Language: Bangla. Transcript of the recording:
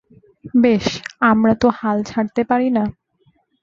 বেশ, আমরা তো হাল ছাড়তে পারি না।